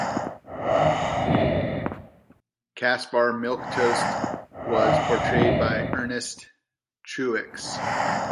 Caspar Milquetoast was portrayed by Ernest Truex.